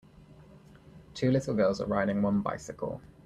Two little girls are riding one bicycle.